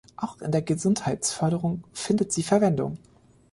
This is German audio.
Auch in der Gesundheitsförderung findet sie Verwendung.